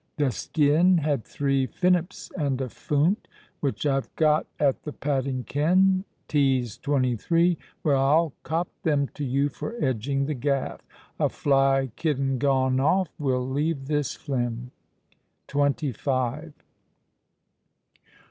The skin had three finnips and a foont, which I've got at the padding ken, T's 23, where I'll cop them to you for edging the gaff. A fly kidden gonnoff will leave this flim. "TWENTY FIVE."